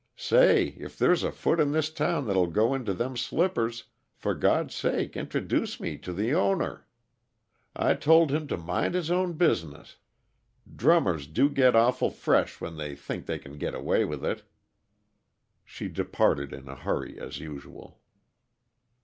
Say, if there's a foot in this town that'll go into them slippers, for God's sake introduce me to the owner!' I told him to mind his own business. Drummers do get awful fresh when they think they can get away with it." She departed in a hurry, as usual.